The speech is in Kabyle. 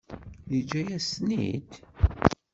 Yeǧǧa-yasen-ten-id?